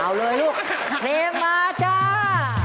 เอาเลยลูกเพลงมาจ้า